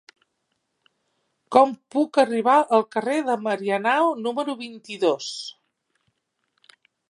Com puc arribar al carrer de Marianao número vint-i-dos?